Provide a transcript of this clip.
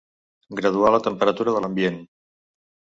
Graduar la temperatura de l'ambient.